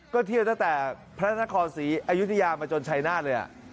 ก็เที่ยวตั้งแต่พระนครศรีอยุธยามาจนชัยนาธเลย